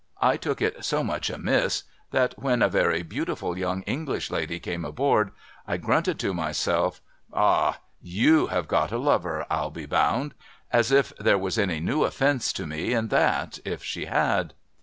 I took it so much amiss, that, when a very beautiful young English lady came aboard, I grunted to myself, ' Ah ! you have got a lover, I'll be bound !' As if there was any new offence to me in that, if she had